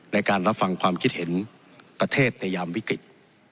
ในการรับฟังความคิดเห็นประเทศในยามวิกฤต